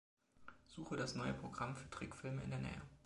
Suche das neue Programm für Trickfilme in der Nähe.